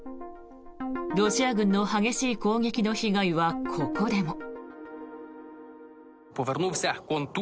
ロシア軍の激しい攻撃の被害はここでも。